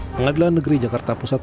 pengadilan negeri jakarta pusat